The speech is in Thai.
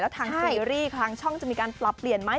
ทางซีรีส์ทางช่องจะมีการปรับเปลี่ยนไหม